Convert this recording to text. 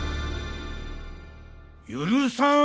許さん。